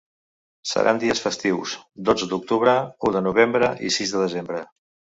Seran dies festius: dotze d’octubre, u de novembre i sis de desembre.